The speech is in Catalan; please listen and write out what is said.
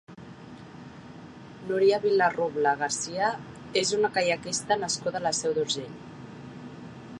Núria Vilarrubla Garcia és una caiaquista nascuda a la Seu d'Urgell.